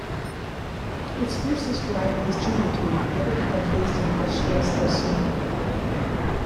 Its fiercest rival is Juventude, the other club based in Caxias do Sul.